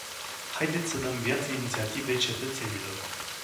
Haideți să dăm viață inițiativei cetățenilor.